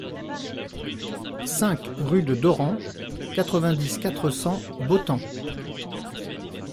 cinq rue de Dorans, quatre-vingt-dix, quatre cents, Botans